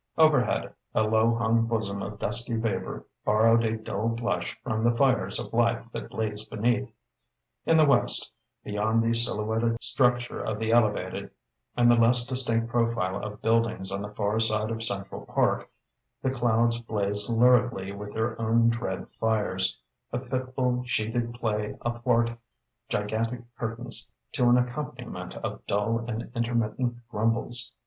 Overhead, a low hung bosom of dusky vapour borrowed a dull blush from the fires of life that blazed beneath. In the west, beyond the silhouetted structure of the Elevated and the less distinct profile of buildings on the far side of Central Park, the clouds blazed luridly with their own dread fires a fitful, sheeted play athwart gigantic curtains, to an accompaniment of dull and intermittent grumbles.